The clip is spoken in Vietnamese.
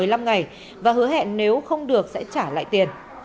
bà chi đã đặt cặp cho ông phương một mươi năm ngày và hứa hẹn nếu không được sẽ trả lại tiền